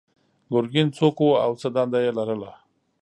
ګرګین څوک و او څه دنده یې لرله؟